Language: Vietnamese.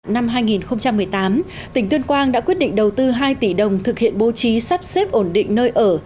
năm hai nghìn một mươi tám tỉnh tuyên quang đã quyết định đầu tư hai tỷ đồng thực hiện bố trí sắp xếp ổn định nơi ở